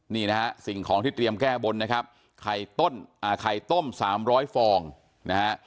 นี่นะฮะสิ่งของที่เตรียมแก้บนนะครับไข่ต้นอ่าไข่ต้ม๓๐๐ฟองนะฮะ